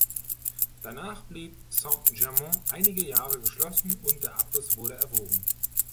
Danach blieb St-Germain einige Jahre geschlossen und der Abriss wurde erwogen.